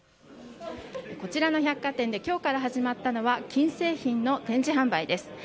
こちらの百貨店で今日から始まったのは金製品の展示販売です。